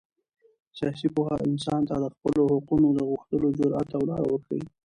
سیاسي پوهه انسان ته د خپلو حقونو د غوښتلو جرات او لاره ورښیي.